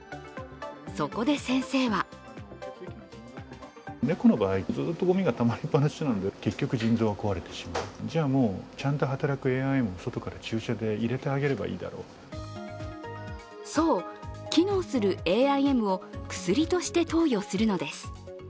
そこで先生はそう、機能するＡＩＭを薬として投与するのです。